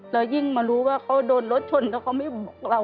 แล้วยิ่งมารู้ว่าเขาโดนรถชนแล้วเขาไม่บอกเรา